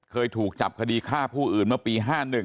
เคยถูกจับคดีฆ่าผู้อื่นเมื่อปี๕๑